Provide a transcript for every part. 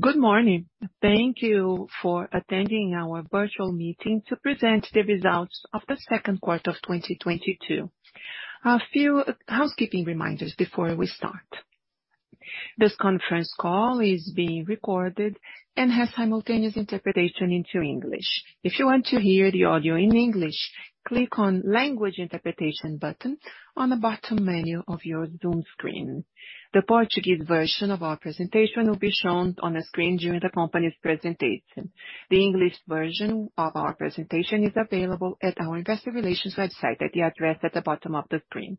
Good morning. Thank you for attending our virtual meeting to present the results of the Q2 of 2022. A few housekeeping reminders before we start. This conference call is being recorded and has simultaneous interpretation into English. If you want to hear the audio in English, click on language interpretation button on the bottom menu of your Zoom screen. The Portuguese version of our presentation will be shown on the screen during the company's presentation. The English version of our presentation is available at our investor relations website at the address at the bottom of the screen.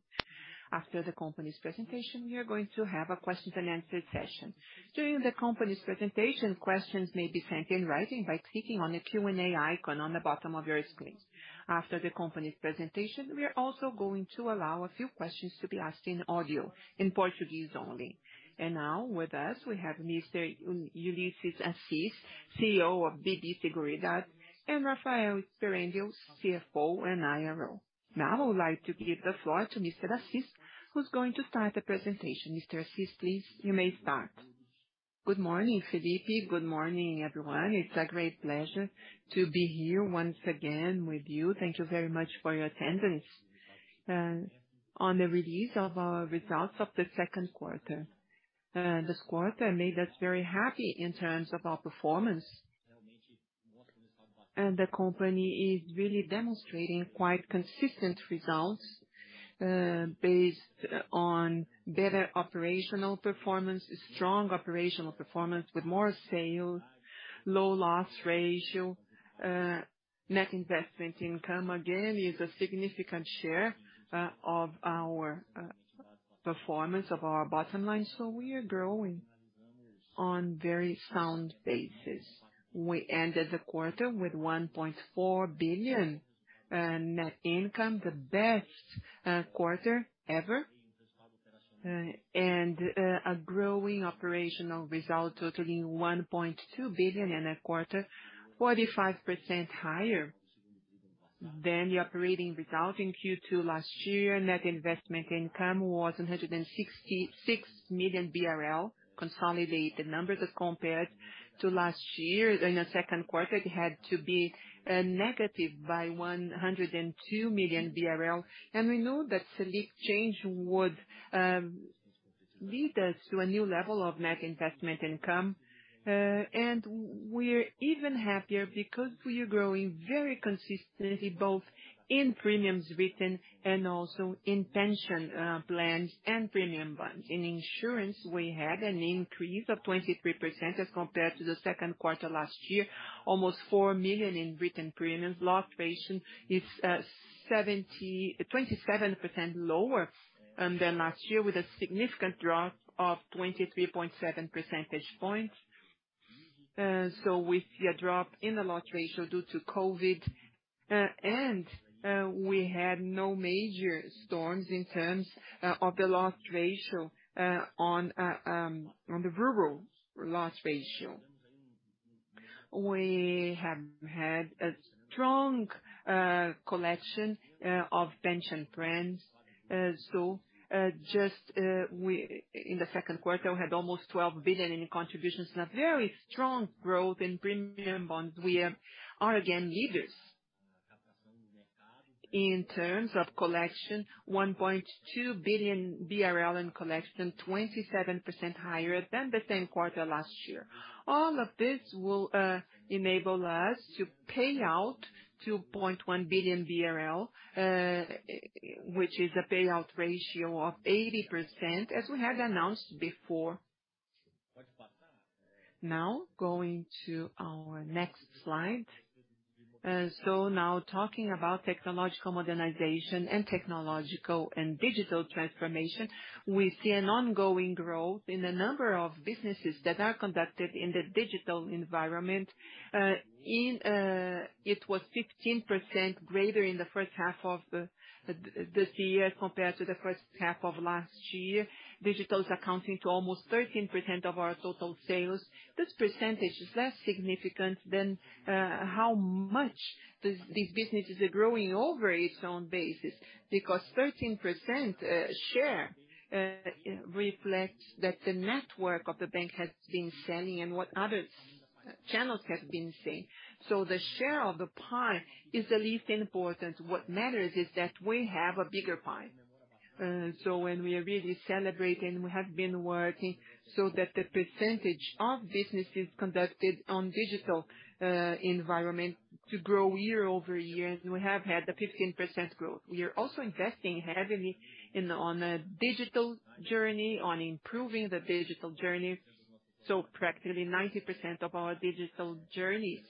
After the company's presentation, we are going to have a questions and answers session. During the company's presentation, questions may be sent in writing by clicking on the Q&A icon on the bottom of your screen. After the company's presentation, we are also going to allow a few questions to be asked in audio, in Portuguese only. Now with us, we have Mr. Ullisses Assis, CEO of BB Seguridade, and Rafael Sperendio, CFO and IRO. Now, I would like to give the floor to Mr. Assis, who's going to start the presentation. Mr. Assis, please, you may start. Good morning, Felipe. Good morning, everyone. It's a great pleasure to be here once again with you. Thank you very much for your attendance on the release of our results of the Q2. This quarter made us very happy in terms of our performance. The company is really demonstrating quite consistent results based on better operational performance, strong operational performance with more sales, low loss ratio. Net investment income, again, is a significant share of our performance of our bottom line. We are growing on very sound basis. We ended the quarter with 1.4 billion net income, the best quarter ever. A growing operational result totaling 1.2 billion in that quarter, 45% higher than the operating result in Q2 last year. Net investment income was 166 million BRL. Consolidated numbers as compared to last year in the Q2, it had to be negative by 102 million BRL. We know that Selic change would lead us to a new level of net investment income. We're even happier because we are growing very consistently, both in premiums written and also in pension plans and premium bonds. In insurance, we had an increase of 23% as compared to the Q2 last year. Almost 4 million in written premiums. Loss ratio is 77%, lower than last year, with a significant drop of 23.7 percentage points. We see a drop in the loss ratio due to COVID, and we had no major storms in terms of the loss ratio on the rural loss ratio. We have had a strong collection of pension plans. In the Q2, we had almost 12 billion in contributions and a very strong growth in premium bonds. We are again leaders in terms of collection, 1.2 billion BRL in collection, 27% higher than the same quarter last year. All of this will enable us to pay out 2.1 billion BRL, which is a payout ratio of 80%, as we had announced before. Now, going to our next slide. Now talking about technological modernization and technological and digital transformation, we see an ongoing growth in the number of businesses that are conducted in the digital environment. It was 15% greater in the H1 of this year compared to the H1 of last year. Digital is accounting for almost 13% of our total sales. This percentage is less significant than how much these businesses are growing over its own basis, because 13% share reflects that the network of the bank has been selling and what other channels have been selling. The share of the pie is the least important. What matters is that we have a bigger pie. When we are really celebrating, we have been working so that the percentage of businesses conducted on digital environment to grow year-over-year, and we have had a 15% growth. We are also investing heavily on a digital journey, on improving the digital journey. Practically 90% of our digital journeys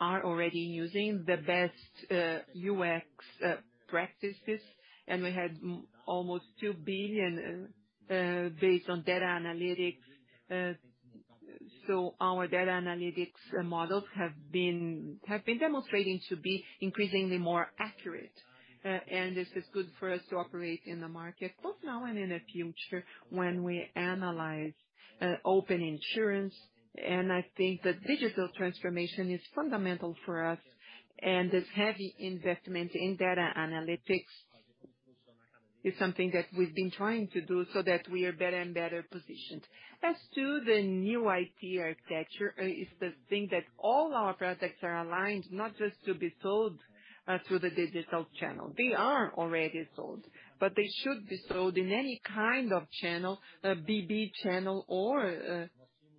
are already using the best UX practices. We had almost 2 billion based on data analytics. Our data analytics models have been demonstrating to be increasingly more accurate. This is good for us to operate in the market both now and in the future when we analyze Open Insurance. I think the digital transformation is fundamental for us and this heavy investment in data analytics. It's something that we've been trying to do so that we are better and better positioned. As to the new IT architecture, is the thing that all our products are aligned, not just to be sold through the digital channel. They are already sold, but they should be sold in any kind of channel, a BB channel or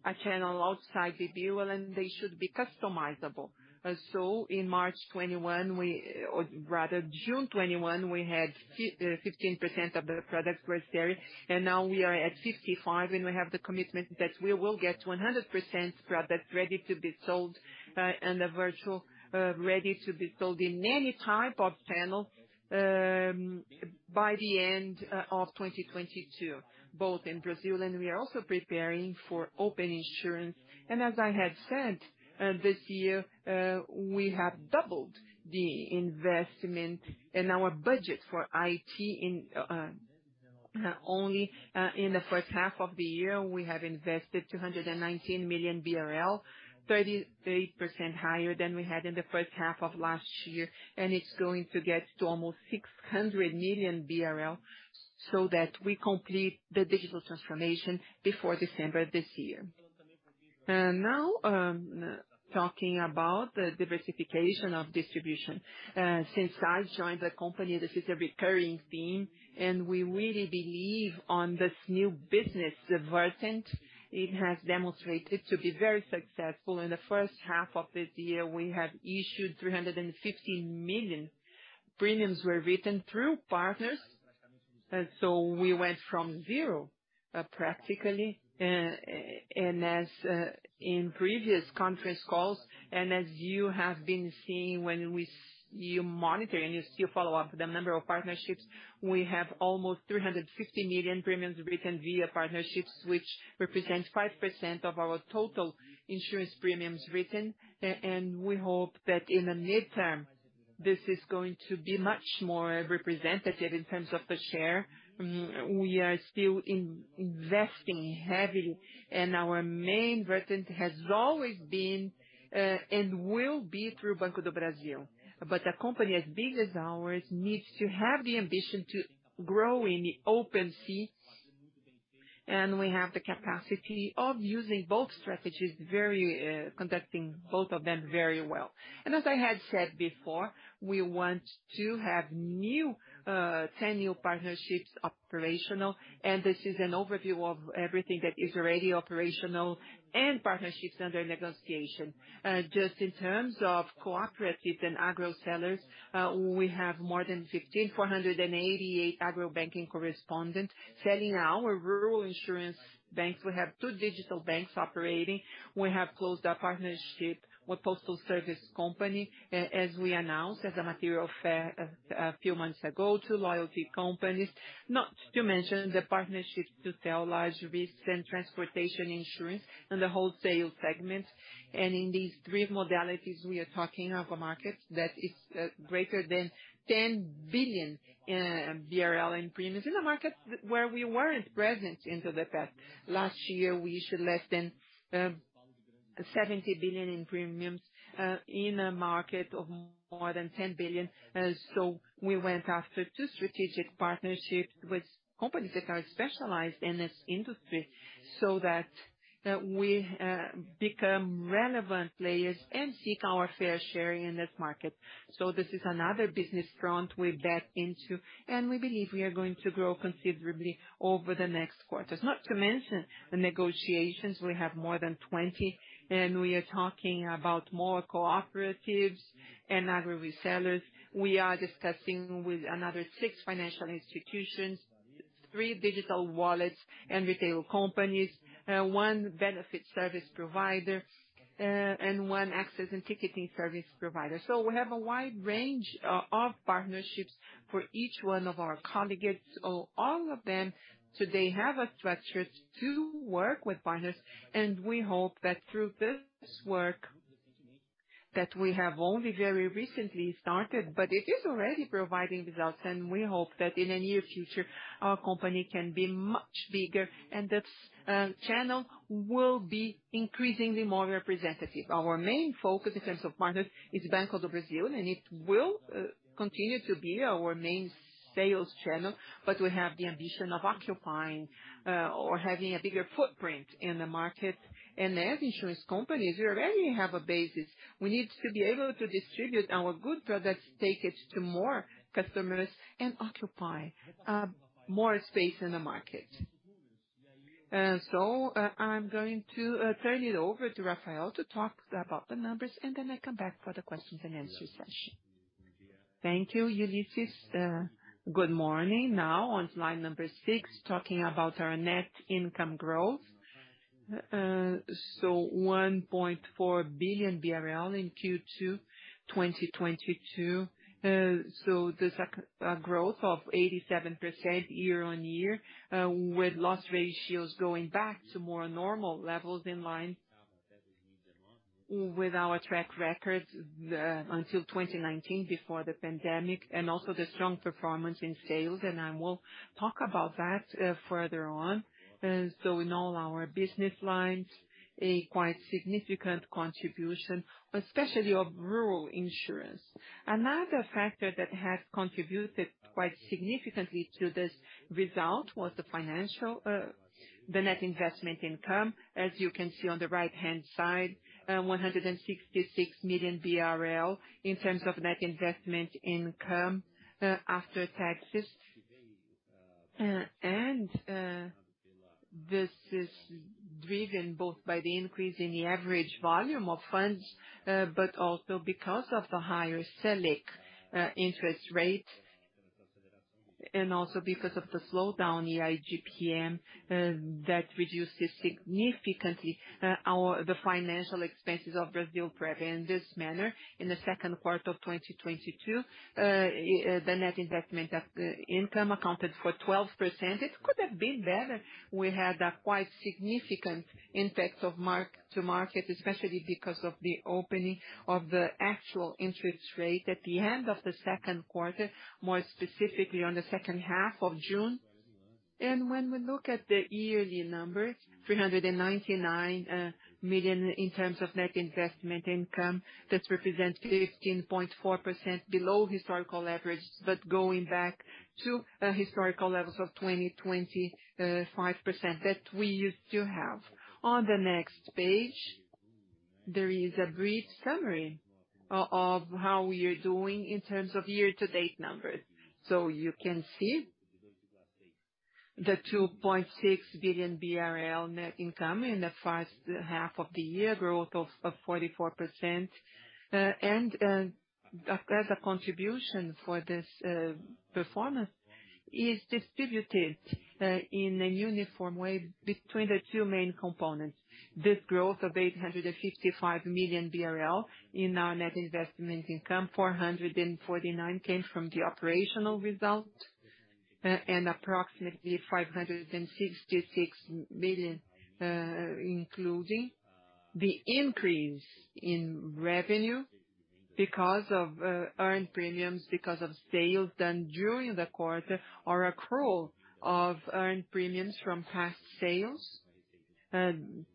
a channel outside BB, well, and they should be customizable. In June 2021, we had 15% of the products ready, and now we are at 55%, and we have the commitment that we will get 100% product ready to be sold in the virtual, ready to be sold in any type of channel, by the end of 2022, both in Brazil, and we are also preparing for Open Insurance. As I had said, this year we have doubled the investment in our budget for IT only in the H1 of the year, we have invested 219 million BRL, 38% higher than we had in the H1 of last year. It's going to get to almost 600 million BRL, so that we complete the digital transformation before December this year. Now, talking about the diversification of distribution. Since I've joined the company, this is a recurring theme, and we really believe in this new business diversification. It has demonstrated to be very successful. In the H1 of this year, we have issued 350 million premiums were written through partners. So we went from zero, practically. And as in previous conference calls, and as you have been seeing when you monitor and you still follow up the number of partnerships, we have almost 350 million premiums written via partnerships, which represents 5% of our total insurance premiums written. We hope that in the midterm, this is going to be much more representative in terms of the share. We are still investing heavily, and our main vision has always been, and will be through Banco do Brasil. A company as big as ours needs to have the ambition to grow in the open space, and we have the capacity of using both strategies very, conducting both of them very well. As I had said before, we want to have 10 new partnerships operational, and this is an overview of everything that is already operational and partnerships under negotiation. Just in terms of cooperatives and agro sellers, we have more than 1,548 agro-banking correspondents selling our rural insurance banks. We have two digital banks operating. We have closed a partnership with postal service company, as we announced as a material fact a few months ago, to loyalty companies. Not to mention the partnerships to sell large risks and transportation insurance in the wholesale segment. In these three modalities, we are talking of a market that is greater than 10 billion BRL in premiums. In a market where we weren't present in the past. Last year, we issued less than 70 million in premiums in a market of more than 10 billion. We went after two strategic partnerships with companies that are specialized in this industry, so that we become relevant players and seek our fair share in this market. This is another business front we bet on, and we believe we are going to grow considerably over the next quarters. Not to mention the negotiations, we have more than 20, and we are talking about more cooperatives and agro resellers. We are discussing with another six financial institutions, three digital wallets and retail companies, one benefit service provider, and one access and ticketing service provider. We have a wide range of partnerships for each one of our colleagues. All of them today have a structure to work with partners, and we hope that through this work that we have only very recently started, but it is already providing results, and we hope that in the near future, our company can be much bigger and that channel will be increasingly more representative. Our main focus in terms of partners is Banco do Brasil, and it will continue to be our main sales channel, but we have the ambition of occupying or having a bigger footprint in the market. As insurance companies, we already have a basis. We need to be able to distribute our good products, take it to more customers and occupy more space in the market. I'm going to turn it over to Rafael to talk about the numbers and then I come back for the questions and answer session. Thank you, Ullisses. Good morning. Now on slide number six, talking about our net income growth. One point four billion BRL in Q2 2022. The growth of 87% year-over-year, with loss ratios going back to more normal levels in line with our track record until 2019, before the pandemic, and also the strong performance in sales, and I will talk about that further on. In all our business lines, a quite significant contribution, especially of rural insurance. Another factor that has contributed quite significantly to this result was the financial, the net investment income, as you can see on the right-hand side, 166 million BRL in terms of net investment income after taxes. This is driven both by the increase in the average volume of funds, but also because of the higher Selic interest rate, and also because of the slowdown in IGPM that reduces significantly the financial expenses of Brasilprev in this manner in the Q2 of 2022. The net investment income accounted for 12%. It could have been better. We had a quite significant impact of mark-to-market, especially because of the opening of the actual interest rate at the end of the Q2, more specifically in the H2 of June. When we look at the yearly number, 399 million in terms of net investment income, this represents 15.4% below historical average, but going back to historical levels of 2020, 5% that we used to have. On the next page, there is a brief summary of how we are doing in terms of year-to-date numbers. You can see the 2.6 billion BRL net income in the H1 of the year, growth of 44%. As a contribution for this performance is distributed in a uniform way between the two main components. This growth of 855 million BRL in our net investment income, 449 million came from the operational result, and approximately 566 million, including the increase in revenue because of earned premiums, because of sales done during the quarter or accrual of earned premiums from past sales,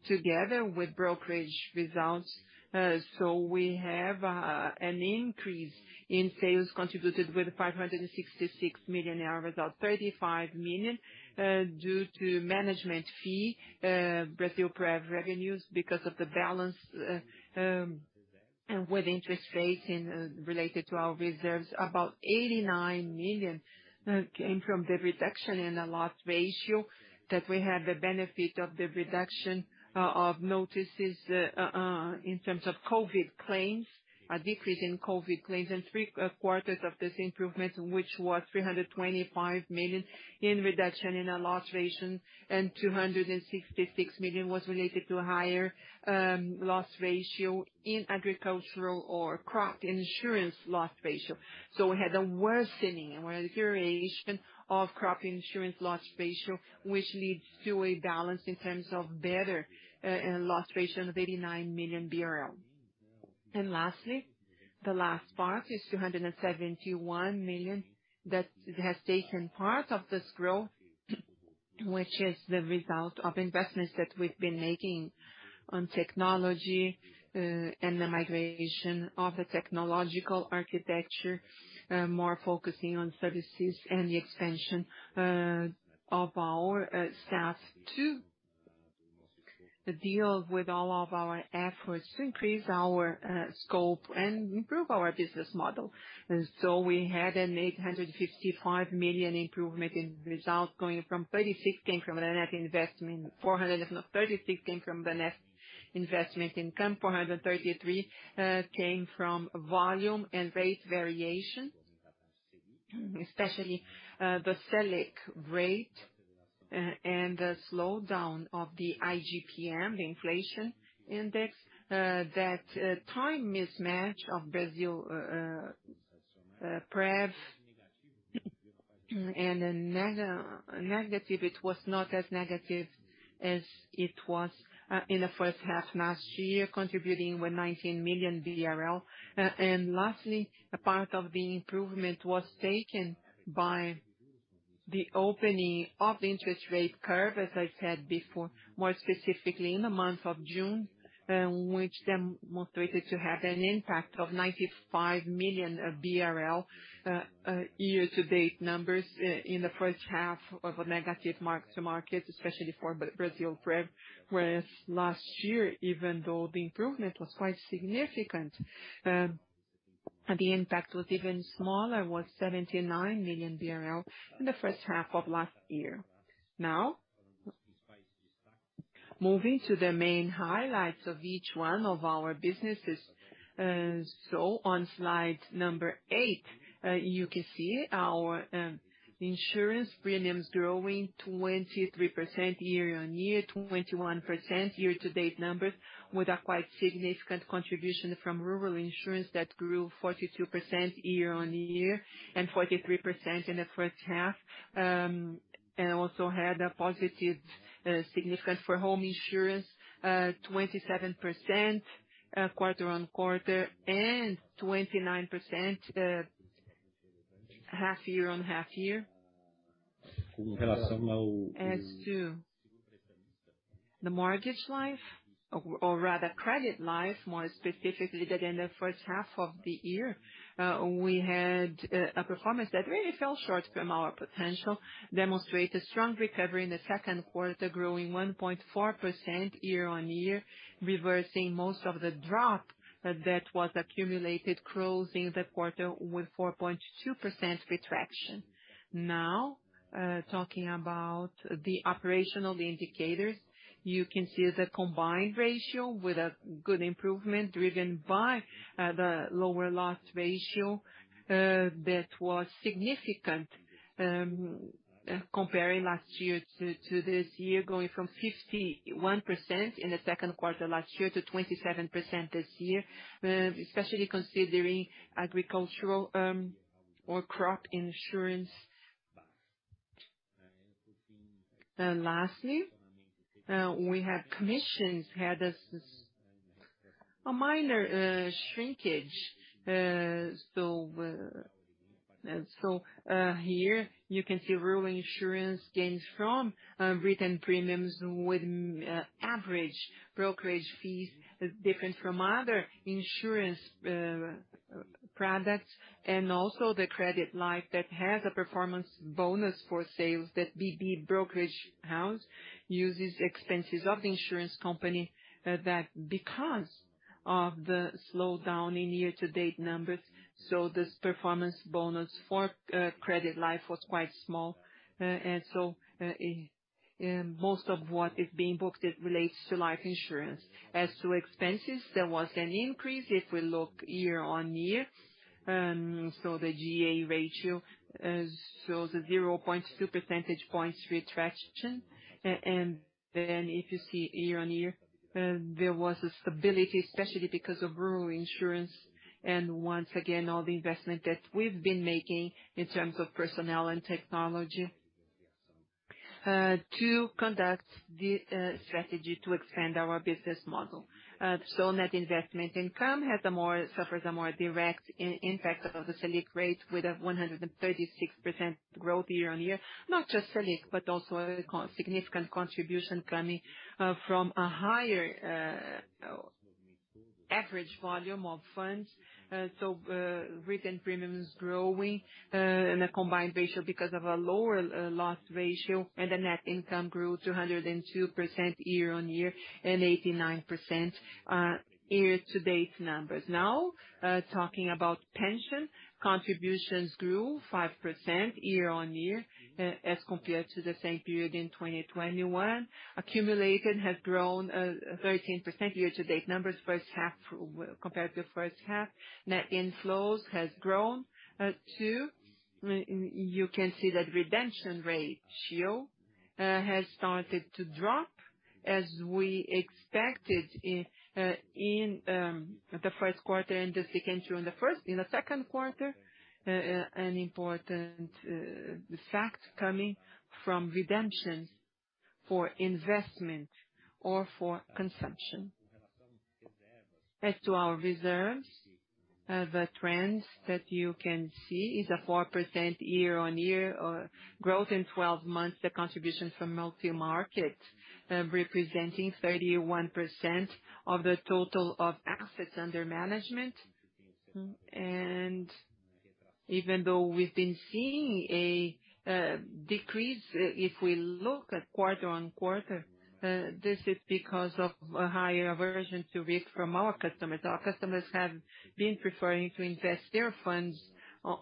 together with brokerage results. We have an increase in sales contributed with 566 million net result, 35 million due to management fee, Brasilprev revenues because of the balance with interest rates income related to our reserves. About 89 million came from the reduction in the loss ratio, that we had the benefit of the reduction of notices in terms of COVID claims, a decrease in COVID claims, and three-quarters of this improvement, which was 325 million in reduction in our loss ratio, and 266 million was related to higher loss ratio in agricultural or crop insurance loss ratio. We had a worsening and deterioration of crop insurance loss ratio, which leads to a balance in terms of better loss ratio of 89 million BRL. Lastly, the last part is 271 million that has taken part of this growth, which is the result of investments that we've been making on technology and the migration of the technological architecture, more focusing on services and the expansion of our staff to deal with all of our efforts to increase our scope and improve our business model. We had a 855 million improvement in results, 436 came from the net investment income, 433 came from volume and rate variation, especially the Selic rate and the slowdown of the IGPM, the inflation index. That time mismatch of Brasilprev's and a negative, it was not as negative as it was in the H1 last year, contributing with 19 million BRL. Lastly, a part of the improvement was taken by the opening of interest rate curve, as I said before, more specifically in the month of June, which demonstrated to have an impact of 95 million BRL year-to-date numbers in the H1 of a negative mark-to-market, especially for Brasilprev, whereas last year, even though the improvement was quite significant, the impact was even smaller, 79 million BRL in the H1 of last year. Now, moving to the main highlights of each one of our businesses. On slide number eight, you can see our insurance premiums growing 23% year-on-year, 21% year-to-date numbers, with a quite significant contribution from rural insurance that grew 42% year-on-year and 43% in the H1. Also had a positive significance for home insurance, 27% quarter-on-quarter, and 29% half-year-on-half-year. As to the mortgage life, or rather credit life, more specifically than in the H1 of the year, we had a performance that really fell short from our potential. Demonstrated strong recovery in the Q2, growing 1.4% year-on-year, reversing most of the drop that was accumulated, closing the quarter with 4.2% contraction. Now, talking about the operational indicators, you can see the combined ratio with a good improvement driven by the lower loss ratio that was significant, comparing last year to this year, going from 51% in the Q2 last year to 27% this year, especially considering agricultural or crop insurance. Lastly, we have commissions had a minor shrinkage. So, here you can see rural insurance gains from written premiums with average brokerage fees different from other insurance products, and also the credit life that has a performance bonus for sales that BB Corretora uses expenses of the insurance company, that because of the slowdown in year-to-date numbers, so this performance bonus for credit life was quite small. Most of what is being booked, it relates to life insurance. As to expenses, there was an increase if we look year-on-year. The G&A ratio shows a 0.2 percentage points retraction. If you see year-on-year, there was a stability, especially because of rural insurance and once again, all the investment that we've been making in terms of personnel and technology to conduct the strategy to expand our business model. Net investment income suffers a more direct impact of the Selic rate with a 136% growth year-on-year. Not just Selic, but also a significant contribution coming from a higher average volume of funds. Written premium is growing in a combined ratio because of a lower loss ratio, and the net income grew 202% year-on-year and 89% year-to-date numbers. Now, talking about pension, contributions grew 5% year-on-year as compared to the same period in 2021. Accumulated has grown 13% year-to-date numbers H1, compared to H1. Net inflows has grown too. You can see that redemption ratio has started to drop as we expected in the Q1 and the Q2. An important fact coming from redemption for investment or for consumption. As to our reserves, the trends that you can see is a 4% year-over-year growth in twelve months, the contribution from multi-market representing 31% of the total of assets under management. Even though we've been seeing a decrease, if we look at quarter-over-quarter, this is because of a higher aversion to risk from our customers. Our customers have been preferring to invest their funds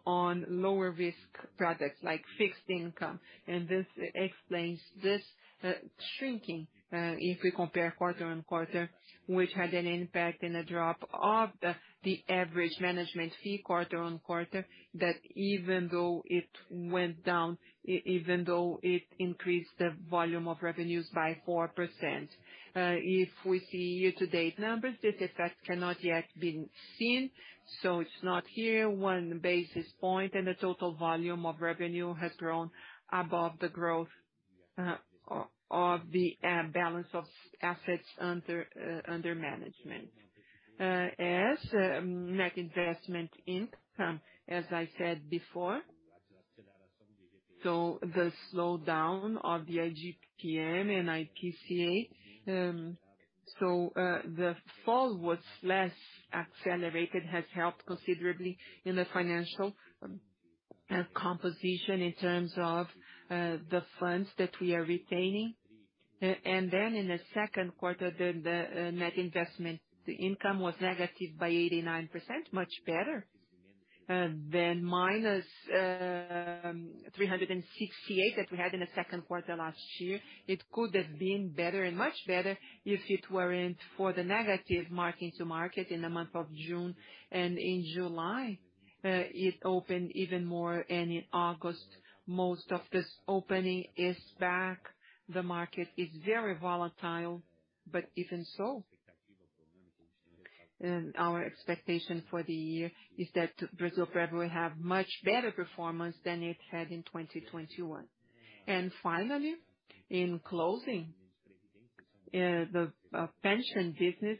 on lower risk products like fixed income. This explains this shrinking, if we compare quarter-over-quarter, which had an impact in the drop of the average management fee quarter-over-quarter, that even though it went down, even though it increased the volume of revenues by 4%. If we see year-to-date numbers, this effect cannot yet been seen, so it's not here. One basis point and the total volume of revenue has grown above the growth of the balance of assets under management. As net investment income, as I said before, so the slowdown of the IGPM and IPCA, so the fall was less accelerated, has helped considerably in the financial composition in terms of the funds that we are retaining. Then in the Q2, the net investment income was negative by 89%, much better than minus 368% that we had in the Q2 last year. It could have been better and much better if it weren't for the negative mark-to-market in the month of June and in July. It opened even more and in August, most of this opening is back. The market is very volatile, but even so. Our expectation for the year is that Brasilprev will have much better performance than it had in 2021. Finally, in closing, our pension business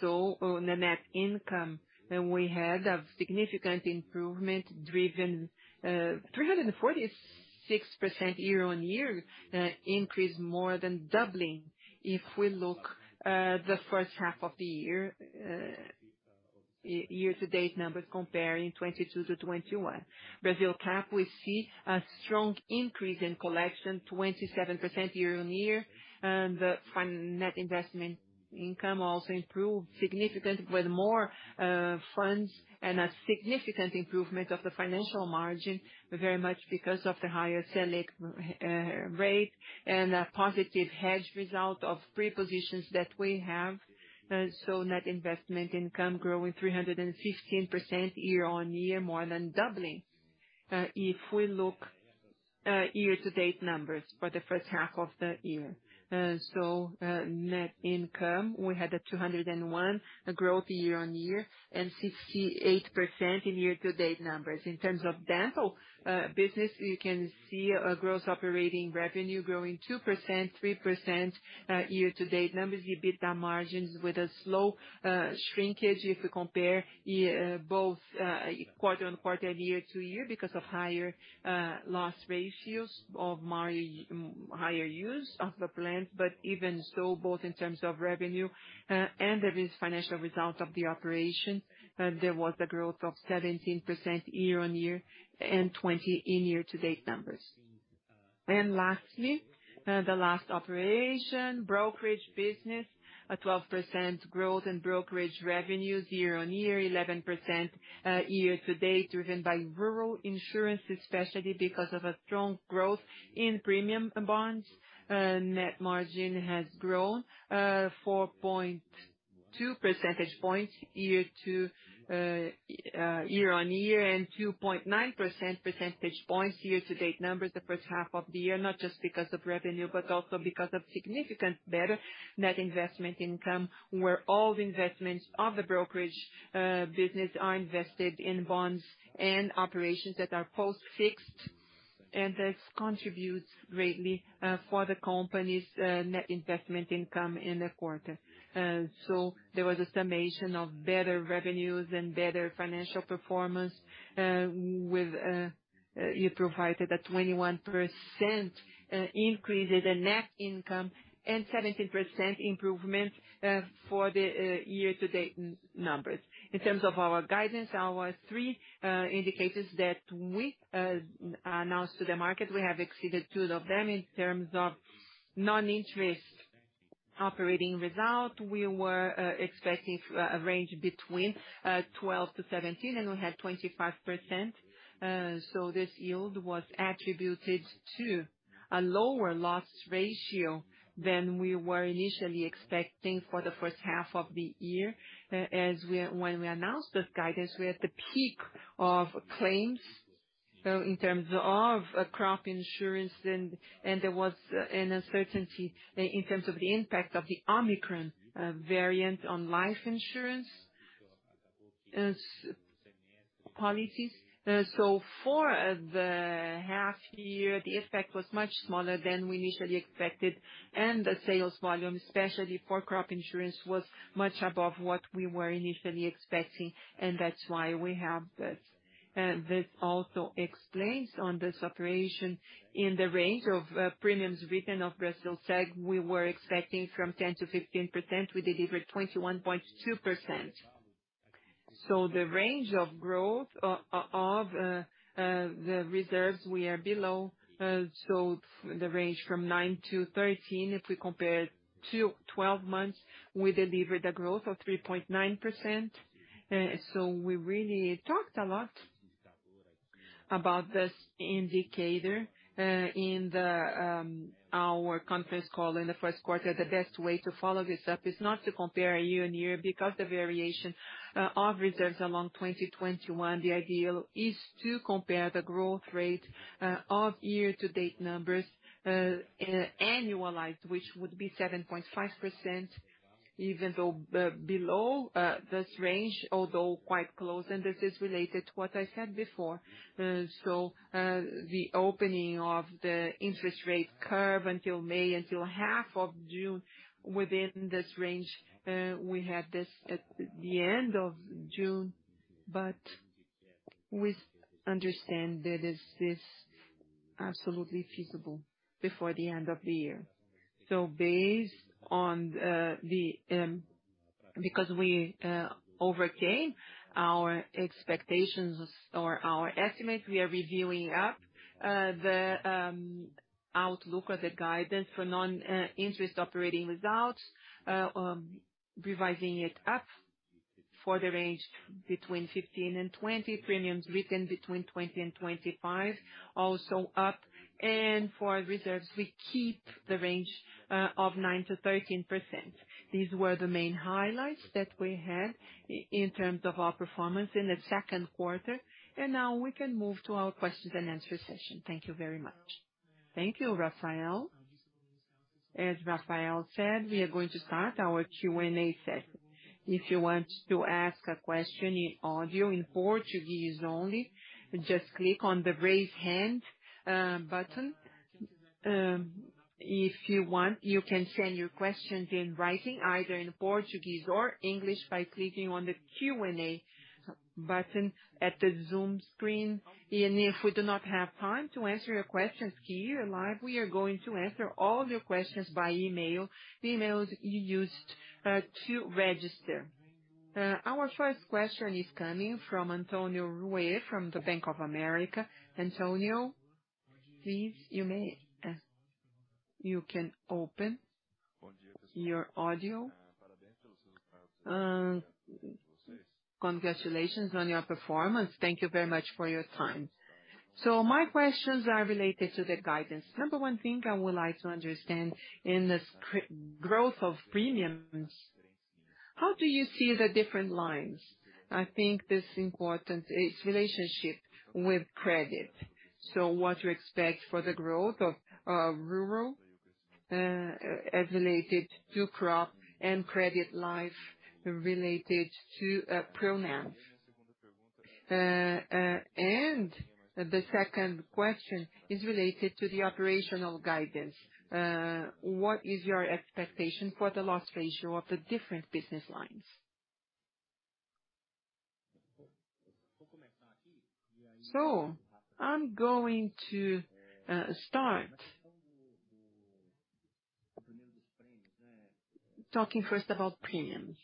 saw on the net income that we had a significant improvement driven, 346% year-on-year increase more than doubling if we look, the H1 of the year to date numbers comparing 2022 to 2021. Brasilcap, we see a strong increase in collection, 27% year-on-year. The fund net investment income also improved significant with more, funds and a significant improvement of the financial margin, very much because of the higher Selic rate and a positive hedge result of positions that we have. net investment income growing 315% year-over-year, more than doubling, if we look, year-to-date numbers for the H1 of the year. net income, we had 201% growth year-over-year and 68% in year-to-date numbers. In terms of dental business, you can see gross operating revenue growing 2%, 3% year-to-date numbers. EBITDA margins with a slow shrinkage if we compare both quarter-on-quarter and year-to-year because of higher loss ratios higher use of the plans. even so, both in terms of revenue and the financial result of the operation, there was a growth of 17% year-over-year and 20% in year-to-date numbers. Lastly, the last operation, brokerage business, 12% growth in brokerage revenues year-on-year, 11% year-to-date, driven by rural insurance, especially because of a strong growth in premium bonds. Net margin has grown 4.2 percentage points year-on-year and 2.9 percentage points year-to-date numbers the H1 of the year, not just because of revenue, but also because of significantly better net investment income, where all the investments of the brokerage business are invested in bonds and operations that are post-fixed. This contributes greatly for the company's net investment income in the quarter. There was a summation of better revenues and better financial performance with you provided a 21% increase in the net income and 17% improvement for the year-to-date numbers. In terms of our guidance, our three indicators that we announced to the market, we have exceeded two of them. In terms of non-interest operating result, we were expecting a range between 12%-17%, and we had 25%. This yield was attributed to a lower loss ratio than we were initially expecting for the H1 of the year. When we announced this guidance, we had the peak of claims in terms of crop insurance and there was an uncertainty in terms of the impact of the Omicron variant on life insurance policies. For the half year, the effect was much smaller than we initially expected, and the sales volume, especially for crop insurance, was much above what we were initially expecting, and that's why we have that. This also explains on this operation in the range of premiums written of Brasilseg, we were expecting from 10%-15%, we delivered 21.2%. The range of growth of the reserves, we are below the range from 9%-13%. If we compare twelve months, we delivered a growth of 3.9%. We really talked a lot about this indicator in our conference call in the Q1. The best way to follow this up is not to compare year-over-year because the variation of reserves along 2021. The ideal is to compare the growth rate of year to date numbers, annualized, which would be 7.5%, even though below this range, although quite close. This is related to what I said before. The opening of the interest rate curve until May, until half of June, within this range, we had this at the end of June, but with the understanding that this is absolutely feasible before the end of the year. Because we overcame our expectations or our estimates, we are reviewing up the outlook or the guidance for non-interest operating results, revising it up for the range between 15% and 20%, premiums written between 20% and 25% also up. For reserves, we keep the range of 9%-13%. These were the main highlights that we had in terms of our performance in the Q2. Now we can move to our questions and answer session. Thank you very much. Thank you, Rafael. As Rafael said, we are going to start our Q&A session. If you want to ask a question in audio in Portuguese only, just click on the Raise Hand button. If you want, you can send your questions in writing either in Portuguese or English by clicking on the Q&A button at the Zoom screen. If we do not have time to answer your questions here live, we are going to answer all of your questions by email, the emails you used to register. Our first question is coming from Antonio Ruette from Bank of America. Antonio, please, you can open your audio. Congratulations on your performance. Thank you very much for your time. My questions are related to the guidance. number one thing I would like to understand in this growth of premiums, how do you see the different lines? I think it's important, it's relationship with credit. What you expect for the growth of rural, as related to crop and credit life related to Pronampe. The second question is related to the operational guidance. What is your expectation for the loss ratio of the different business lines? I'm going to start talking first about premiums.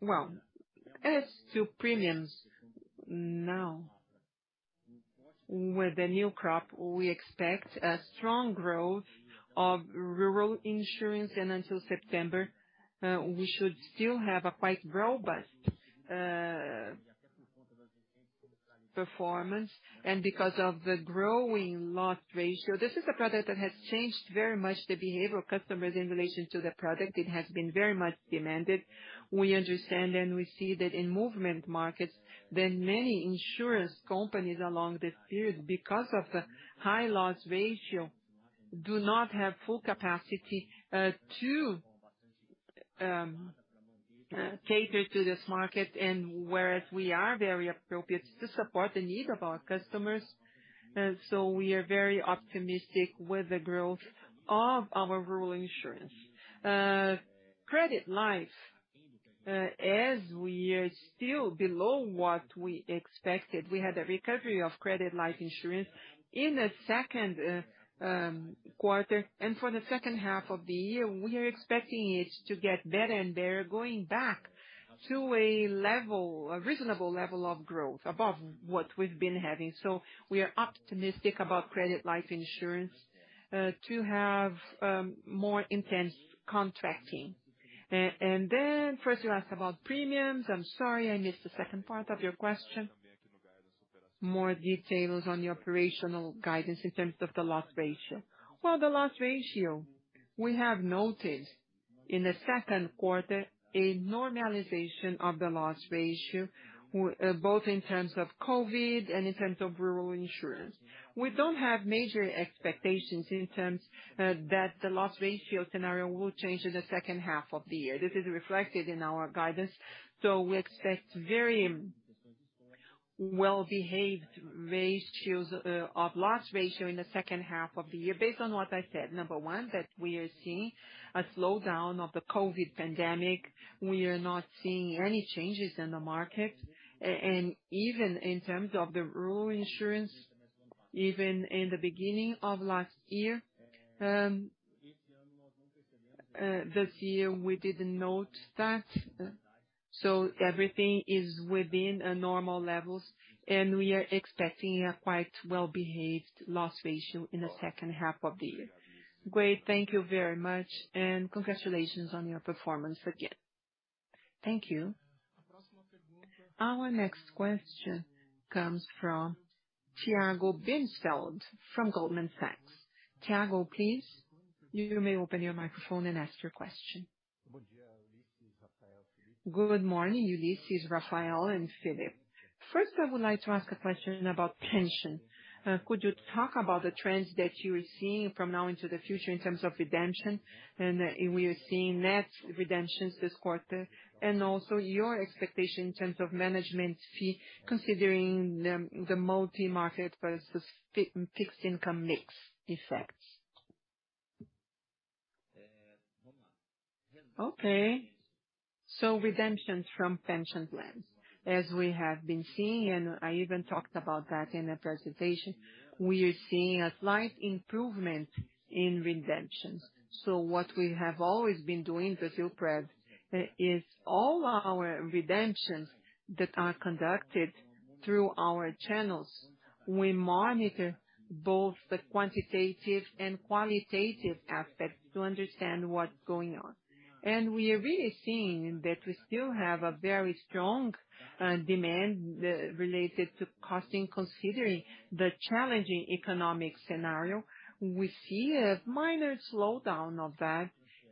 Well, as to premiums now, with the new crop, we expect a strong growth of rural insurance. Until September, we should still have a quite robust performance. Because of the growing loss ratio, this is a product that has changed very much the behavior of customers in relation to the product. It has been very much demanded. We understand and we see that in multi-market more than many insurance companies during this period because of the high loss ratio do not have full capacity to cater to this market, whereas we are very well positioned to support the need of our customers. We are very optimistic with the growth of our rural insurance. Credit life, as we are still below what we expected, we had a recovery of credit life insurance in the Q2. For the H2 of the year, we are expecting it to get better and better going back to a reasonable level of growth above what we've been having. We are optimistic about credit life insurance to have more intense contracting. Then first you asked about premiums. I'm sorry, I missed the second part of your question. More details on the operational guidance in terms of the loss ratio. Well, the loss ratio, we have noted in the Q2 a normalization of the loss ratio, both in terms of COVID and in terms of rural insurance. We don't have major expectations in terms that the loss ratio scenario will change in the H2 of the year. This is reflected in our guidance. We expect very well-behaved ratios of loss ratio in the H2 of the year based on what I said. Number one, that we are seeing a slowdown of the COVID pandemic. We are not seeing any changes in the market. And even in terms of the rural insurance, even in the beginning of last year, this year we didn't note that. Everything is within normal levels, and we are expecting a quite well-behaved loss ratio in the H2 of the year. Great. Thank you very much, and congratulations on your performance again. Thank you. Our next question comes from Tiago Binsfeld from Goldman Sachs. Tiago, please, you may open your microphone and ask your question. Good morning, Ullisses, Rafael and Felipe. First, I would like to ask a question about pension. Could you talk about the trends that you are seeing from now into the future in terms of redemption? We are seeing net redemptions this quarter and also your expectation in terms of management fee, considering the multi-market versus fixed income mix effects. Okay. Redemptions from pension plans. As we have been seeing, and I even talked about that in the presentation, we are seeing a slight improvement in redemptions. What we have always been doing, the Previ, is all our redemptions that are conducted through our channels, we monitor both the quantitative and qualitative aspects to understand what's going on. We are really seeing that we still have a very strong demand related to costing, considering the challenging economic scenario. We see a minor slowdown of that.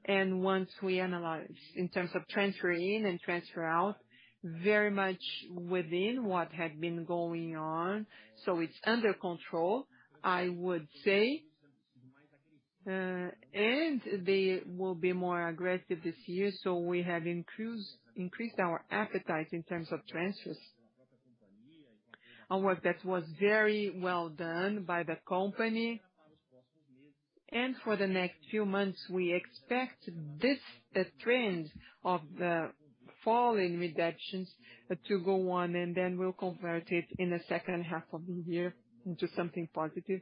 Once we analyze in terms of transfer in and transfer out, very much within what had been going on. It's under control, I would say. They will be more aggressive this year, so we have increased our appetite in terms of transfers. A work that was very well done by the company. For the next few months, we expect this trend of the fall in redemptions to go on and then we'll convert it in the H2 of the year into something positive.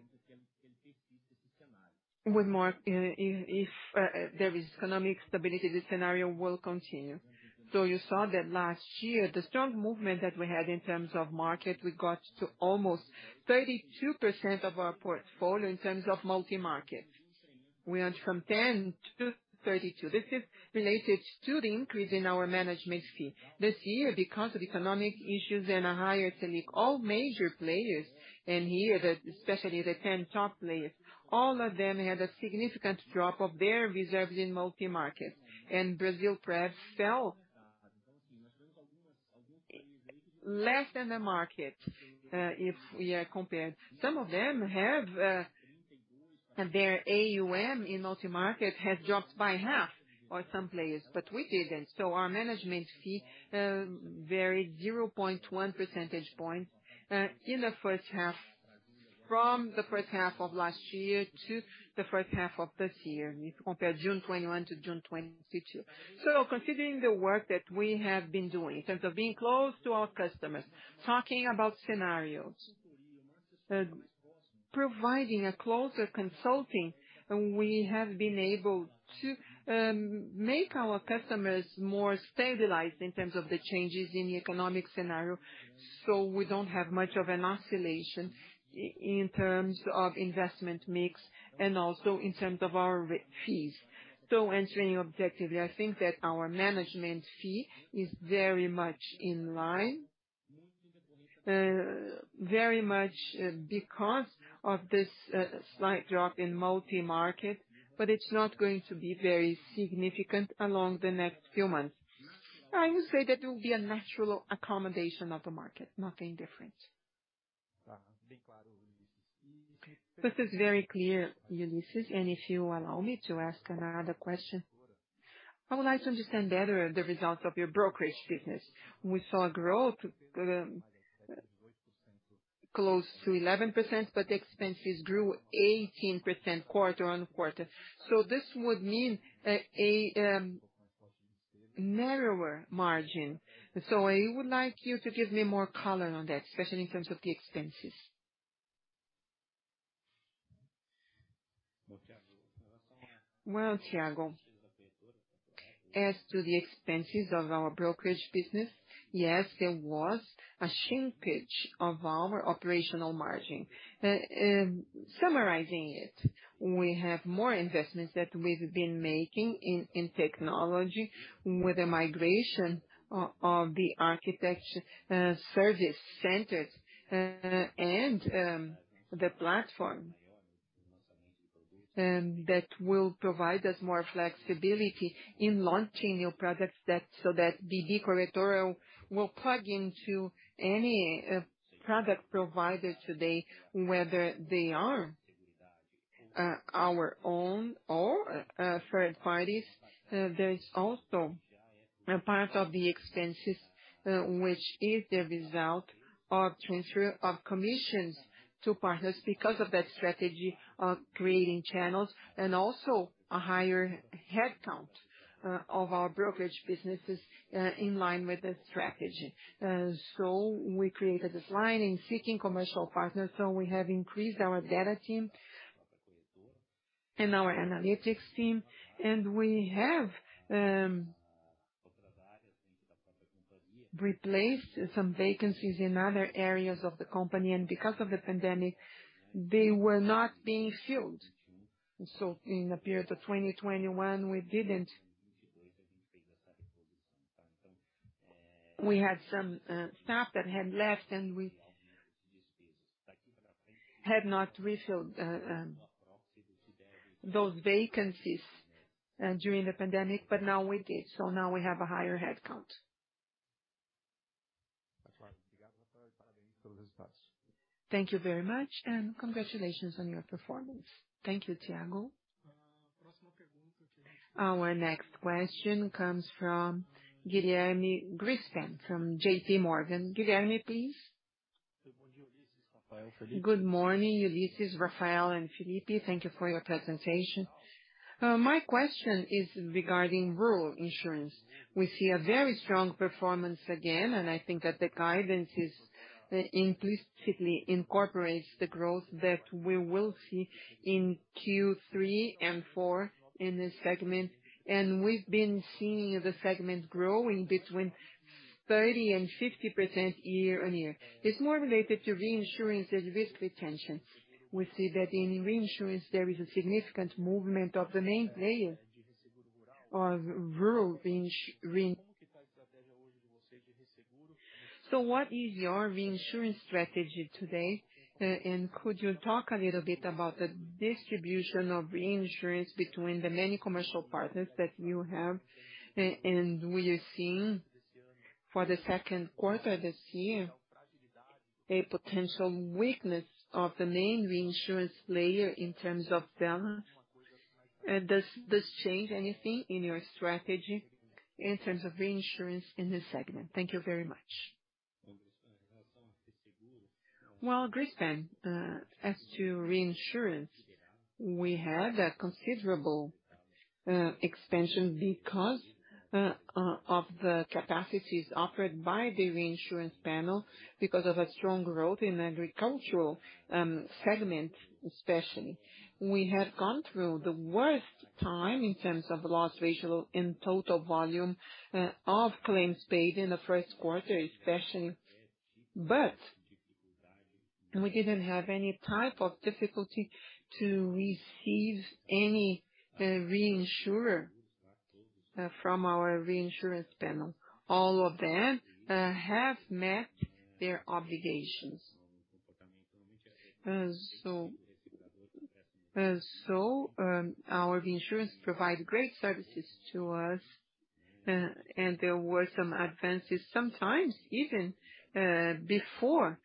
If there is economic stability, this scenario will continue. You saw that last year, the strong movement that we had in terms of market, we got to almost 32% of our portfolio in terms of multi-market. We went from 10% to 32%. This is related to the increase in our management fee. This year, because of economic issues and a higher Selic, all major players, and here, especially the 10 top players, all of them had a significant drop of their reserves in multi-market. Brasilprev fell less than the market, if we are compared. Some of them have their AUM in multi-market has dropped by half for some players, but we didn't. Our management fee varied 0.1 percentage point in the H1 from the H1 of last year to the H1 of this year, if you compare June 2021 to June 2022. Considering the work that we have been doing in terms of being close to our customers, talking about scenarios, providing a closer consulting, we have been able to make our customers more stabilized in terms of the changes in the economic scenario, so we don't have much of an oscillation in terms of investment mix and also in terms of our fees. Answering your question objectively, I think that our management fee is very much in line because of this slight drop in multi-market, but it's not going to be very significant in the next few months. I would say that it will be a natural accommodation of the market, nothing different. This is very clear, Ullisses, and if you allow me to ask another question. I would like to understand better the results of your brokerage business. We saw a growth close to 11%, but the expenses grew 18% quarter-over-quarter. This would mean a narrower margin. I would like you to give me more color on that, especially in terms of the expenses. Well, Tiago, as to the expenses of our brokerage business, yes, there was a shrinkage of our operational margin. Summarizing it, we have more investments that we've been making in technology with the migration of the architecture, service centers, and the platform. That will provide us more flexibility in launching new products, so that BB Corretora will plug into any product provider today, whether they are our own or third parties. There is also a part of the expenses, which is the result of transfer of commissions to partners because of that strategy of creating channels and also a higher headcount of our brokerage businesses, in line with the strategy. We created this line in seeking commercial partners, so we have increased our data team and our analytics team, and we have replaced some vacancies in other areas of the company, and because of the pandemic, they were not being filled. In the period of 2021, we had some staff that had left, and we had not refilled those vacancies during the pandemic, but now we did. Now we have a higher headcount. Thank you very much and congratulations on your performance. Thank you, Tiago Binsfeld. Our next question comes from Guilherme Grespan from JPMorgan. Guilherme, please. Good morning, Ullisses Assis, Rafael Sperendio and Felipe Peres. Thank you for your presentation. My question is regarding rural insurance. We see a very strong performance again, and I think that the guidance implicitly incorporates the growth that we will see in Q3 and Q4 in this segment. We've been seeing the segment growing between 30% and 50% year-on-year. It's more related to reinsurance and risk retention. We see that in reinsurance, there is a significant movement of the main player of rural reinsurance. What is your reinsurance strategy today, and could you talk a little bit about the distribution of reinsurance between the many commercial partners that you have, and we are seeing for the Q2 this year? A potential weakness of the main reinsurance layer in terms of balance. Does this change anything in your strategy in terms of reinsurance in this segment? Thank you very much. Well, Grespan, as to reinsurance, we had a considerable expansion because of the capacities offered by the reinsurance panel because of a strong growth in agricultural segment especially. We have gone through the worst time in terms of loss ratio in total volume of claims paid in the Q1 especially, but we didn't have any type of difficulty to receive any reimbursement from our reinsurers. All of them have met their obligations. Our reinsurers provide great services to us, and there were some advances, sometimes even before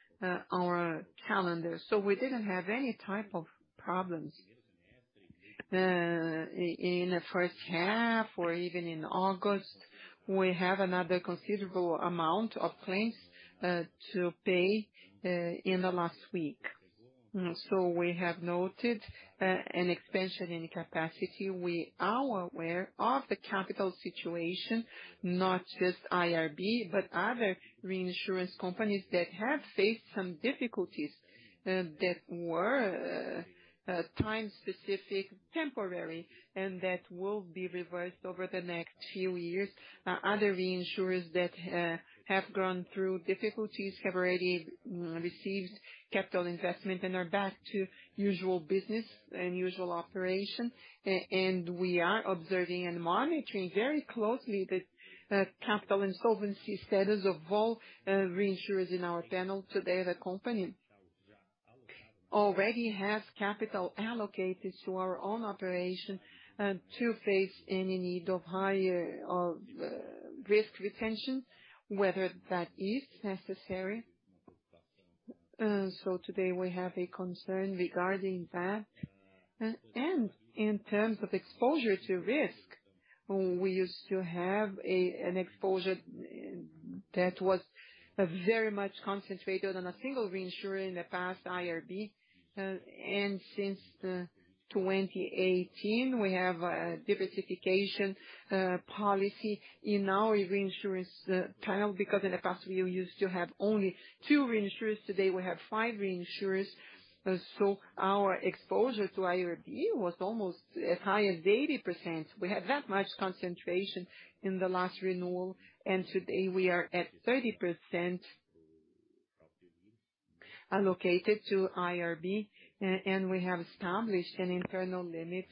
our calendar. We didn't have any type of problems. In the H1 or even in August, we have another considerable amount of claims to pay in the last week. We have noted an expansion in capacity. We are aware of the capital situation, not just IRB, but other reinsurance companies that have faced some difficulties that were time-specific, temporary, and that will be reversed over the next few years. Other reinsurers that have gone through difficulties have already received capital investment and are back to usual business and usual operation. We are observing and monitoring very closely the capital and solvency status of all reinsurers in our panel. Today, the company already has capital allocated to our own operation to face any need of higher risk retention, whether that is necessary. Today we have a concern regarding that. In terms of exposure to risk, we used to have an exposure that was very much concentrated on a single reinsurer in the past, IRB. Since 2018, we have a diversification policy in our reinsurance panel, because in the past we used to have only two reinsurers. Today we have five reinsurers. Our exposure to IRB was almost as high as 80%. We had that much concentration in the last renewal, and today we are at 30% allocated to IRB. And we have established an internal limit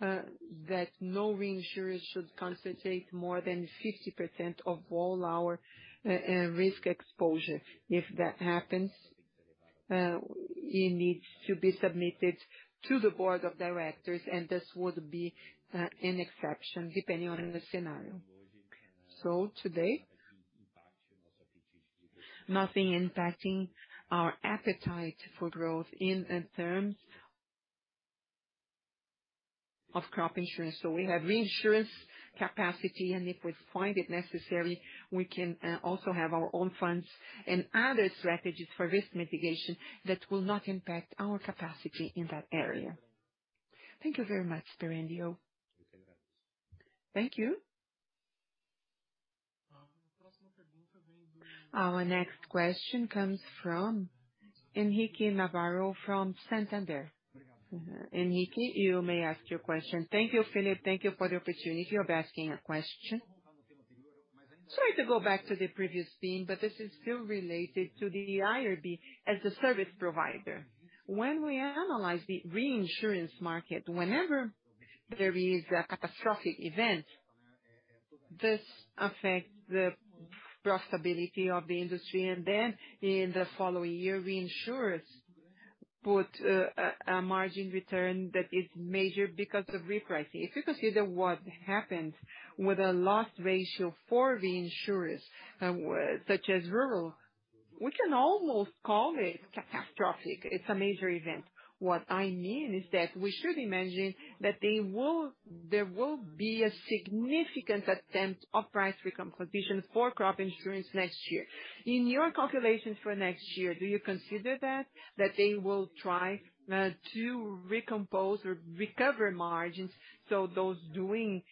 that no reinsurers should concentrate more than 50% of all our risk exposure. If that happens, it needs to be submitted to the board of directors, and this would be an exception depending on the scenario. Today, nothing impacting our appetite for growth in terms of crop insurance. We have reinsurance capacity, and if we find it necessary, we can also have our own funds and other strategies for risk mitigation that will not impact our capacity in that area. Thank you very much, Guilherme. Thank you. Our next question comes from Henrique Navarro from Santander. Henrique, you may ask your question. Thank you, Felipe. Thank you for the opportunity of asking a question. Sorry to go back to the previous theme, but this is still related to the IRB as a service provider. When we analyze the reinsurance market, whenever there is a catastrophic event, this affects the profitability of the industry, and then in the following year, reinsurers put a margin return that is major because of repricing. If you consider what happened with the loss ratio for reinsurers, such as rural, we can almost call it catastrophic. It's a major event. What I mean is that we should imagine that there will be a significant attempt of price recomposition for crop insurance next year. In your calculations for next year, do you consider that they will try to recompose or recover margins, so those doing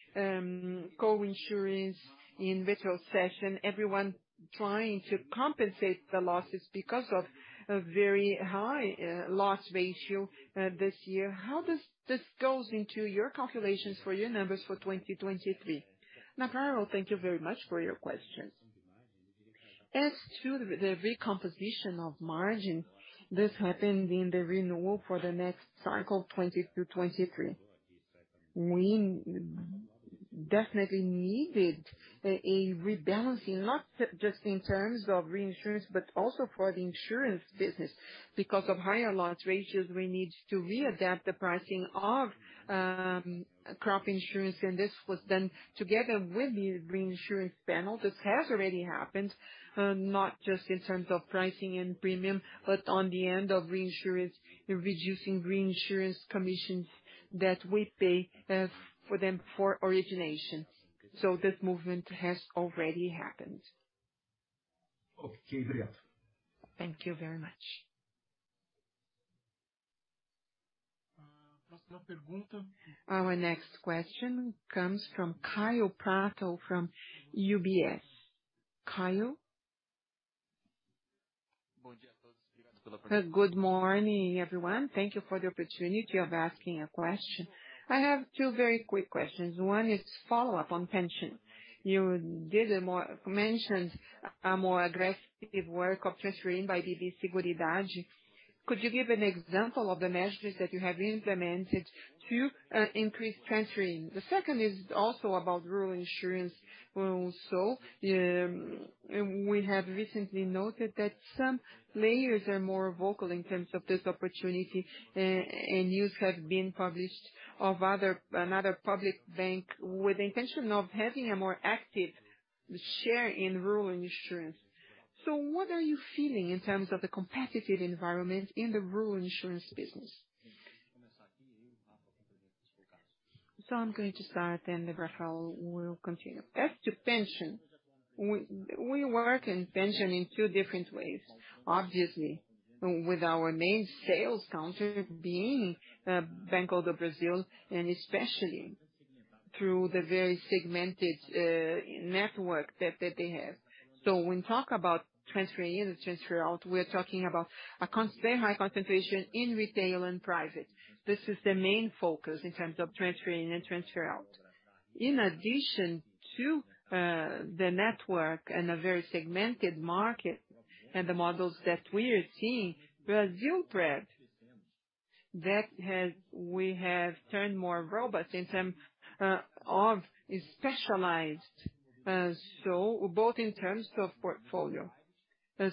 co-insurance in retrocession, everyone trying to compensate the losses because of a very high loss ratio this year? How does this goes into your calculations for your numbers for 2023? Navarro, thank you very much for your question. As to the recomposition of margin, this happened in the renewal for the next cycle, 2022-2023. We definitely needed a rebalancing, not just in terms of reinsurance, but also for the insurance business. Because of higher loss ratios, we need to re-adapt the pricing of crop insurance, and this was done together with the reinsurance panel. This has already happened, not just in terms of pricing and premium, but on the end of reinsurance, reducing reinsurance commissions that we pay, for them for origination. This movement has already happened. Okay, thank you. Thank you very much. Next question. Our next question comes from Kaio Prato from UBS. Kaio? Good morning, everyone. Thank you for the opportunity of asking a question. I have two very quick questions. One is follow-up on pension. You mentioned a more aggressive work of transferring by BB Seguridade. Could you give an example of the measures that you have implemented to increase transfer in? The second is also about rural insurance. We have recently noted that some players are more vocal in terms of this opportunity, and news has been published of another public bank with intention of having a more active share in rural insurance. What are you feeling in terms of the competitive environment in the rural insurance business? I'm going to start, then Rafael will continue. As to pension, we work in pension in two different ways, obviously, with our main sales counter being Banco do Brasil, and especially through the very segmented network that they have. When we talk about transfer in and transfer out, we're talking about a very high concentration in retail and private. This is the main focus in terms of transfer in and transfer out. In addition to the network and a very segmented market and the models that we are seeing, Brasilprev, we have turned more robust in terms of specialized, so both in terms of portfolio. This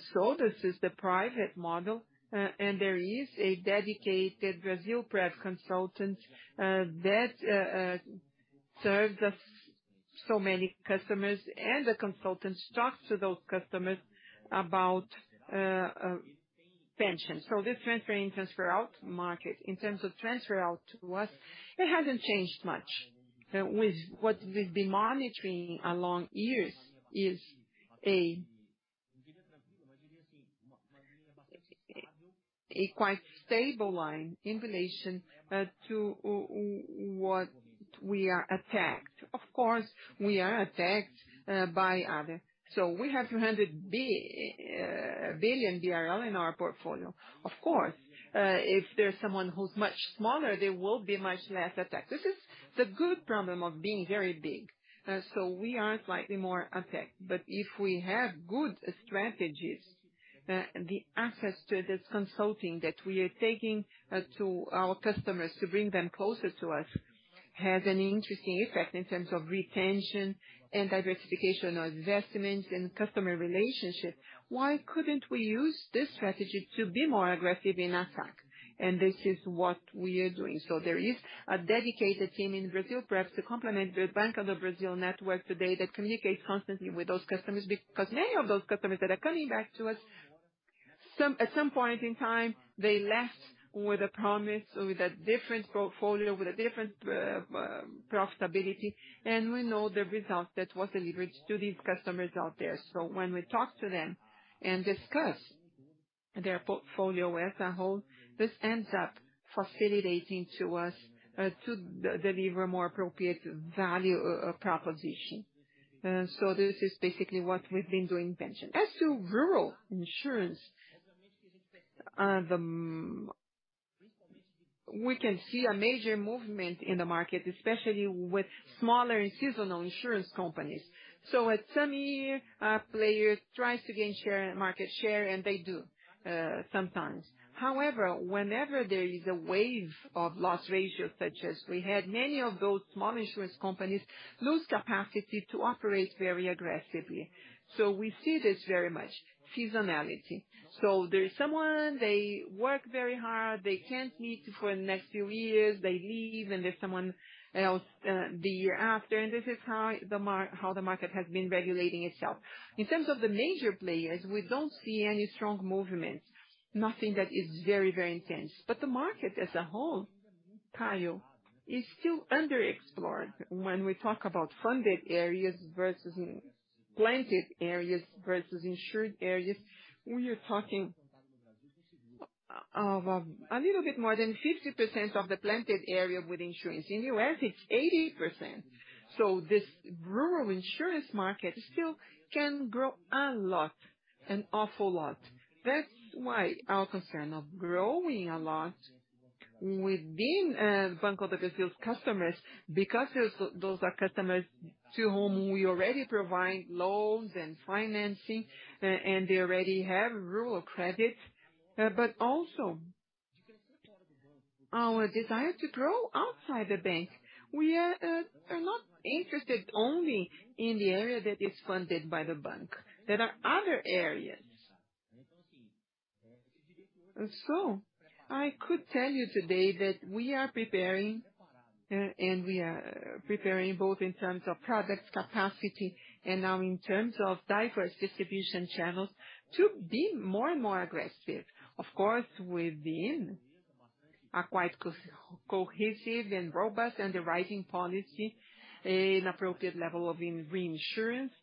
is the private model, and there is a dedicated Brasilprev consultant that serves so many customers, and the consultant talks to those customers about pension. This transfer in, transfer out market, in terms of transfer out to us, it hasn't changed much. With what we've been monitoring along years is a quite stable line in relation to what we are attacked. Of course, we are attacked by other. We have 200 billion BRL in our portfolio. Of course, if there's someone who's much smaller, they will be much less attacked. This is the good problem of being very big. We are slightly more attacked. If we have good strategies, the access to this consulting that we are taking to our customers to bring them closer to us, has an interesting effect in terms of retention and diversification of investments and customer relationship. Why couldn't we use this strategy to be more aggressive in attack? This is what we are doing. There is a dedicated team in Brasilprev to complement the Banco do Brasil network today that communicates constantly with those customers. Because many of those customers that are coming back to us, at some point in time, they left with a promise, with a different portfolio, with a different profitability, and we know the result that was delivered to these customers out there. When we talk to them and discuss their portfolio as a whole, this ends up facilitating to us to deliver more appropriate value proposition. This is basically what we've been doing pension. As to rural insurance, we can see a major movement in the market, especially with smaller and seasonal insurance companies. In some years, players tries to gain share, market share, and they do, sometimes. However, whenever there is a wave of loss ratio, such as we had, many of those small insurance companies lose capacity to operate very aggressively. We see this very much, seasonality. There's someone, they work very hard, they can't meet for the next few years, they leave, and there's someone else, the year after. This is how the market has been regulating itself. In terms of the major players, we don't see any strong movement, nothing that is very, very intense. The market as a whole, Kaio, is still underexplored. When we talk about farmed areas versus planted areas versus insured areas, we are talking of a little bit more than 50% of the planted area with insurance. In U.S., it's 80%. This rural insurance market still can grow a lot, an awful lot. That's why our concern of growing a lot within, Banco do Brasil's customers, because those are customers to whom we already provide loans and financing, and they already have rural credit, but also our desire to grow outside the bank. We are not interested only in the area that is funded by the bank. There are other areas. I could tell you today that we are preparing both in terms of products capacity and now in terms of diverse distribution channels to be more and more aggressive. Of course, within a quite cohesive and robust underwriting policy, an appropriate level of reinsurance.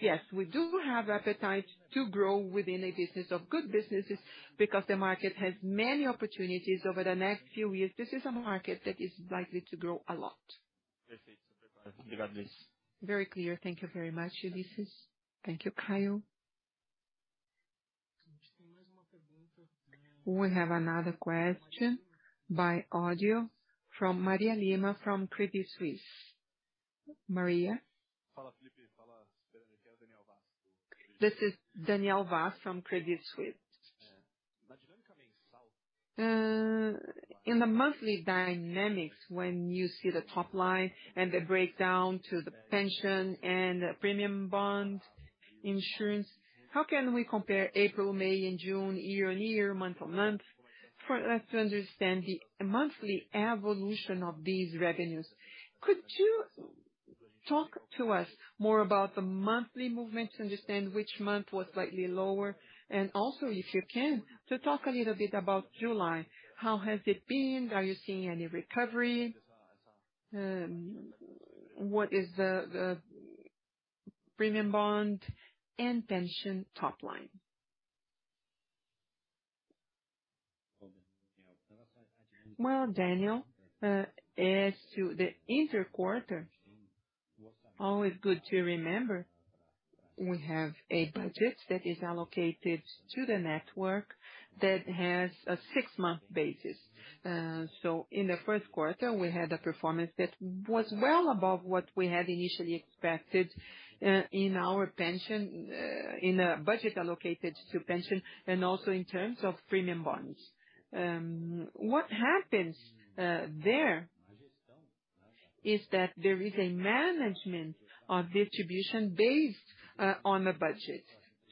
Yes, we do have appetite to grow within a business of good businesses because the market has many opportunities over the next few years. This is a market that is likely to grow a lot. Very clear. Thank you very much, Ullisses. Thank you, Kaio. We have another question by audio from Daniel Vaz, from Credit Suisse. Maria? This is Daniel Vaz from Credit Suisse. In the monthly dynamics, when you see the top line and the breakdown to the pension and premium bond insurance, how can we compare April, May and June year-on-year, month-on-month, for us to understand the monthly evolution of these revenues? Could you talk to us more about the monthly movement to understand which month was slightly lower? Also, if you can, to talk a little bit about July, how has it been? Are you seeing any recovery? What is the premium bond and pension top line? Well, Daniel, as to the intra-quarter, always good to remember, we have a budget that is allocated to the network that has a six-month basis. In the Q1, we had a performance that was well above what we had initially expected, in our pension in a budget allocated to pension and also in terms of premium bonds. What happens there is that there is a management of distribution based on the budget.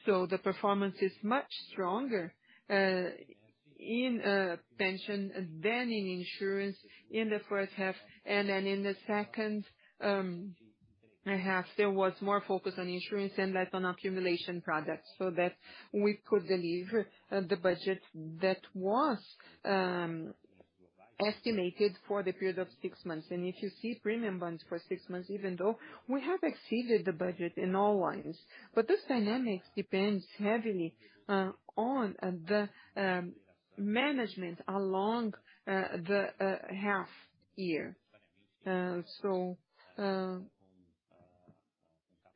The performance is much stronger in pension than in insurance in the H1. In the H2, there was more focus on insurance and less on accumulation products so that we could deliver the budget that was estimated for the period of six months. If you see premium bonds for six months, even though we have exceeded the budget in all lines, but this dynamic depends heavily on the management along the half year.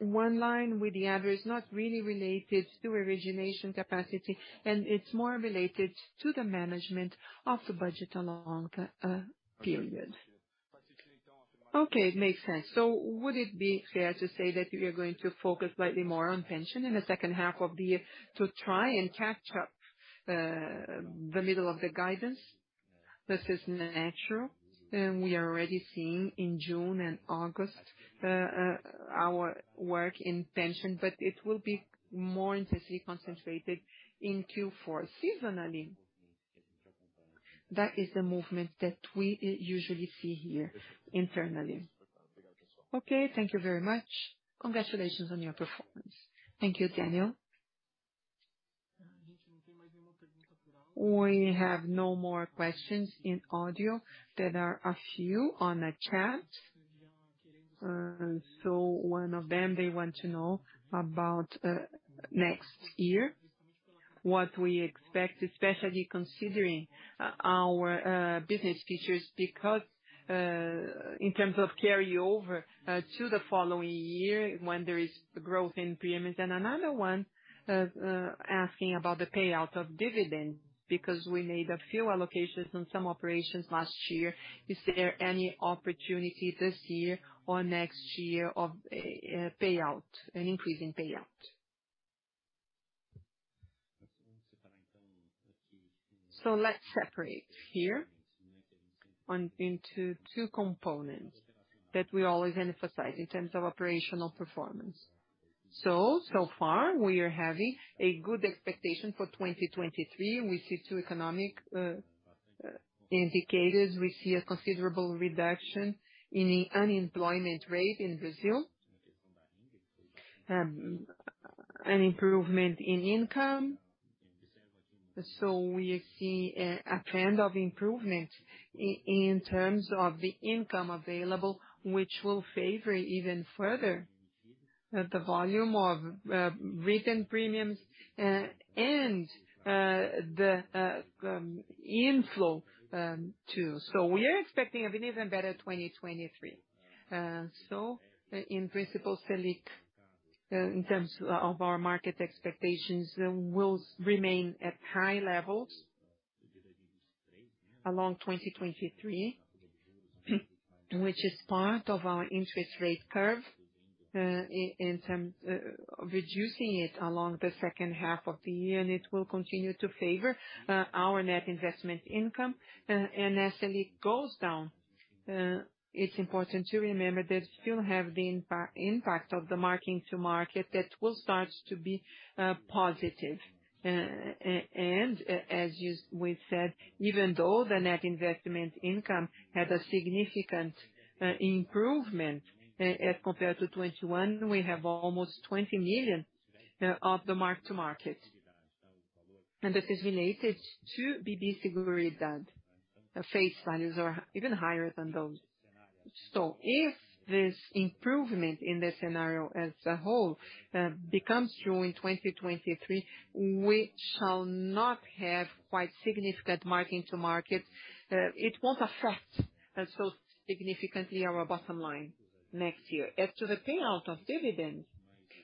One line with the other is not really related to origination capacity, and it's more related to the management of the budget along the period. Okay, it makes sense. Would it be fair to say that you are going to focus slightly more on pension in the H2 of the year to try and catch up the middle of the guidance? This is natural, and we are already seeing in June and August our work in pension, but it will be more intensely concentrated in Q4 seasonally. That is the movement that we usually see here internally. Okay, thank you very much. Congratulations on your performance. Thank you, Daniel. We have no more questions in audio. There are a few on the chat. One of them, they want to know about next year, what we expect, especially considering our business futures because in terms of carryover to the following year when there is growth in premiums. Another one asking about the payout of dividend because we made a few allocations on some operations last year. Is there any opportunity this year or next year of payout, an increase in payout? Let's separate here into two components that we always emphasize in terms of operational performance. So far, we are having a good expectation for 2023. We see two economic indicators. We see a considerable reduction in unemployment rate in Brazil, an improvement in income. We see a trend of improvement in terms of the income available, which will favor even further the volume of written premiums and the inflow too. We are expecting an even better 2023. In principle, Selic in terms of our market expectations will remain at high levels. Along 2023, which is part of our interest rate curve, in terms of reducing it along the H2 of the year, and it will continue to favor our net investment income. And as it goes down, it's important to remember that we still have the impact of the mark-to-market that will start to be positive. As we've said, even though the net investment income had a significant improvement as compared to 2021, we have almost 20 million of the mark-to-market. This is related to BB Seguridade. The face values are even higher than those. If this improvement in the scenario as a whole becomes true in 2023, we shall not have quite significant mark-to-market. It won't affect so significantly our bottom line next year. As to the payout of dividend,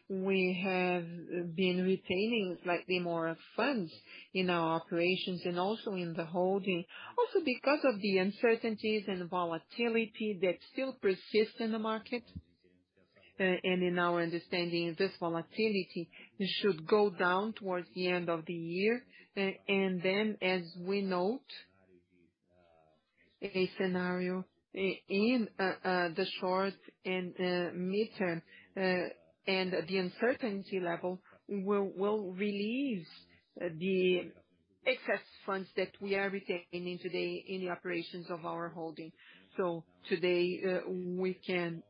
we have been retaining slightly more funds in our operations and also in the holding. Because of the uncertainties and volatility that still persist in the market, and in our understanding, this volatility should go down towards the end of the year. As we note, a scenario in the short and the midterm, and the uncertainty level will release the excess funds that we are retaining today in the operations of our holding. Today, we can,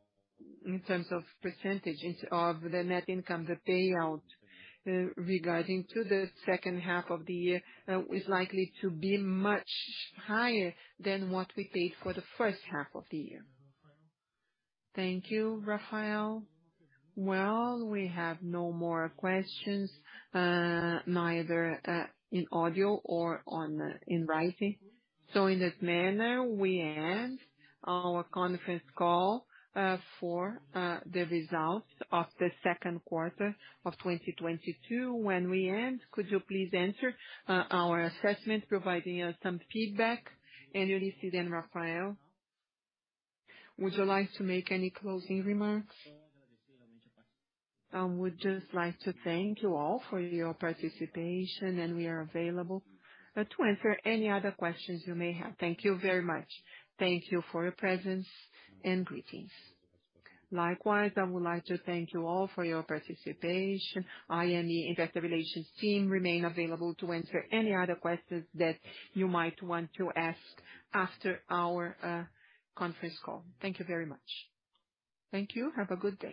in terms of percentage of the net income, the payout, regarding to the H2 of the year, is likely to be much higher than what we paid for the H1 of the year. Thank you, Rafael. Well, we have no more questions, neither in audio or in writing. In that manner, we end our conference call for the results of the Q2 of 2022. When we end, could you please answer our assessment, providing us some feedback? Ullisses and Rafael, would you like to make any closing remarks? I would just like to thank you all for your participation, and we are available to answer any other questions you may have. Thank you very much. Thank you for your presence and greetings. Likewise, I would like to thank you all for your participation. I and the investor relations team remain available to answer any other questions that you might want to ask after our conference call. Thank you very much. Thank you. Have a good day.